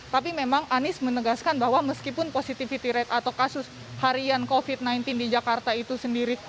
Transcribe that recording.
tapi memang anies menegaskan bahwa meskipun positivity rate atau kasus harian covid sembilan belas di jakarta itu sendiri